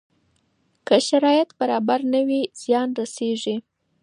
که دا شرایط برابر نه وي زیان رسېږي.